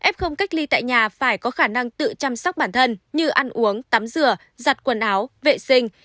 f cách ly tại nhà phải có khả năng tự chăm sóc bản thân như ăn uống tắm rửa giặt quần áo vệ sinh